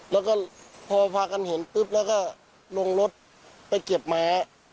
แล้วก็พอพากันเห็นปุ๊บแล้วก็ลงรถไปเก็บม้า